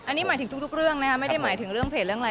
อันนี้หมายถึงทุกเรื่องนะคะไม่ได้หมายถึงเรื่องเพจเรื่องอะไร